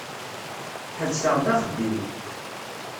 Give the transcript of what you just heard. Ḥebseɣ-d axeddim.